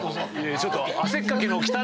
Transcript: ちょっと。